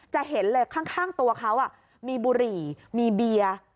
จะเห็นเลยข้างตัวเขามีบุหรี่มีเบียร์